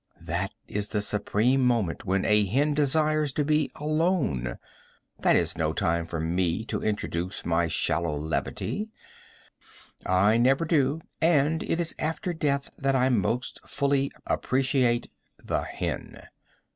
That is the supreme moment when a hen desires to be alone. That is no time for me to introduce my shallow levity, I never do it is after death that I most fully appreciate the hen.